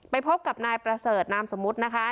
พบกับนายประเสริฐนามสมมุตินะคะ